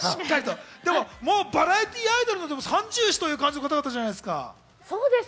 バラエティーアイドルの三銃士という感じの方々じゃないですか。